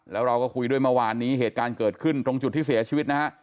แล้วเราก็คุยด้วยเมื่อวานนี้เหตุการณ์เกิดขึ้นตรงจุดที่เสียชีวิตนะฮะ